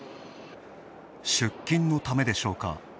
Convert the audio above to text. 出勤のためでしょうか。